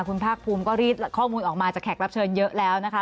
คุณภาคภูมิก็รีดข้อมูลออกมาจากแขกรับเชิญเยอะแล้วนะคะ